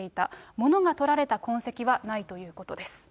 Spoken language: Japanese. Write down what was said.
物がとられた痕跡はないということです。